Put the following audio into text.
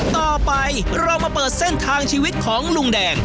ต่อไปเรามาเปิดเส้นทางชีวิตของลุงแดง